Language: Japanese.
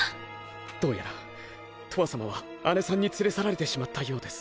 どうやらとわさまはアネさんに連れ去られてしまったようです。